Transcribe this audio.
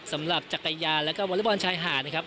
สำหรับจักรยานแล้วก็วอเล็กบอลชายหาดนะครับ